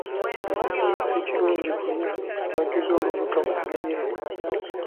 Si kirungi kulya n'ojjuza olubuto mu ngeri eyo.